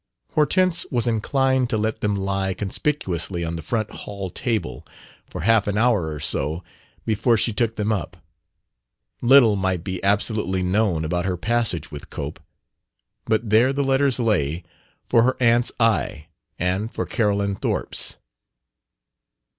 Hortense was inclined to let them lie conspicuously on the front hall table, for half an hour or so, before she took them up. Little might be absolutely known about her passage with Cope; but there the letters lay, for her aunt's eye and for Carolyn Thorpe's.